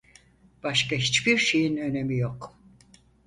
Başka hiçbir şeyin önemi yok.